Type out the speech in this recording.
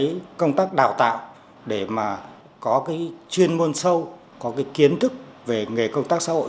cái công tác đào tạo để mà có cái chuyên môn sâu có cái kiến thức về nghề công tác xã hội